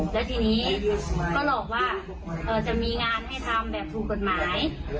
แล้วทีนี้ก็หลอกว่าจะมีงานให้ทำแบบถูกกฎหมาย